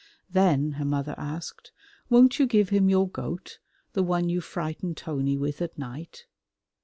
"Then," her mother asked, "won't you give him your goat, the one you frighten Tony with at night?"